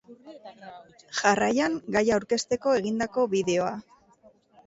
Jarraian gaia aurkezteko egindako bideoa.